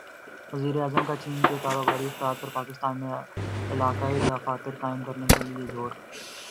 وزیراعظم کا چین کے کاروباری افراد پر پاکستان میں علاقائی دفاتر قائم کرنے کیلئے زور